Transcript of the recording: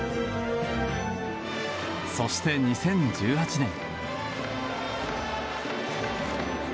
そして、２０１８年。